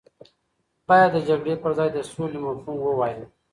باید د جګړې پر ځای د سولې مفهوم ووایم.